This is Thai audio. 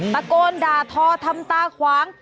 ตะโกนด่าทอทำตาขวาง